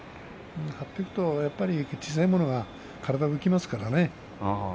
張っていくと小さい者は体が浮きますからね。